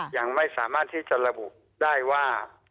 ยังไม่สามารถที่จะระบุได้ว่า